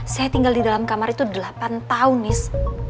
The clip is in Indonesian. saya tinggal di dalam kamar itu delapan tahun nis